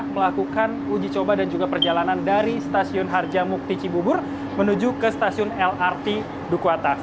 melakukan uji coba dan juga perjalanan dari stasiun harjamuk tici bubur menuju ke stasiun lrt dukwatas